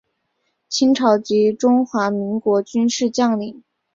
清朝及中华民国军事将领。